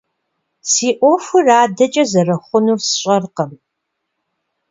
Си Ӏуэхур адэкӀэ зэрыхъунур сщӀэркъым.